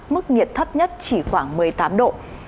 mức nhiệt thấp nhất chỉ khoảng một mươi tám độ